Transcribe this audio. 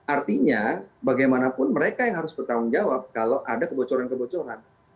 artinya bagaimanapun mereka yang harus bertanggung jawab kalau ada kebocoran kebocoran